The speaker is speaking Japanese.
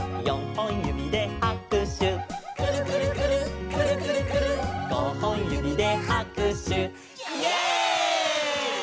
「よんほんゆびではくしゅ」「くるくるくるっくるくるくるっ」「ごほんゆびではくしゅ」イエイ！